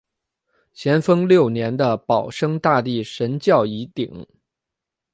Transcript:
咸丰六年的保生大帝神轿一顶。